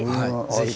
ぜひ。